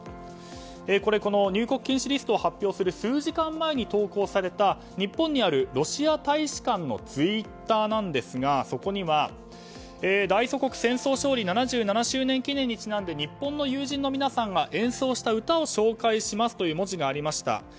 これ、入国禁止リストを発表する数時間前に投稿された日本にあるロシア大使館のツイッターなんですが、そこには大祖国戦争勝利７７周年記念にちなんで日本の友人の皆さんが演奏した歌を紹介しますという文字がありました。